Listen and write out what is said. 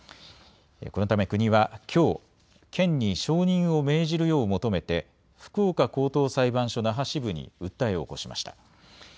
このため国はきょう県に承認を命じるよう求めて福岡高等裁判所那覇支部に訴えを起こしました。